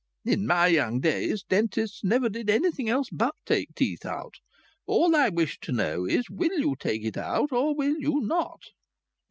In my young days dentists never did anything else but take teeth out. All I wish to know is, will you take it out or will you not?"